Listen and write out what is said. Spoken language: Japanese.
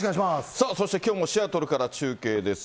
さあ、そしてきょうもシアトルから中継です。